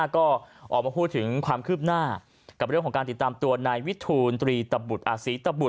ก็ออกมาพูดถึงความคืบหน้ากับเรื่องของการติดตามตัวนายวิทูลตรีตะบุตอาศรีตบุตร